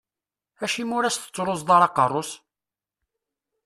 Acimi ur as-tettruẓuḍ ara aqerru-s?